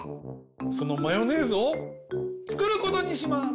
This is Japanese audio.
そのマヨネーズをつくることにします！